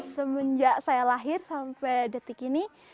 semenjak saya lahir sampai detik ini